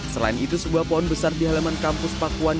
selain itu sebuah pohon besar di halaman kampus pakuan